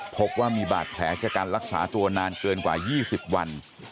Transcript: พบว่ามีบาดแผลจากการรักษาตัวนานเกินกว่า๒๐วัน